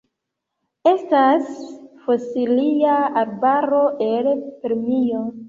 Estas fosilia arbaro el Permio.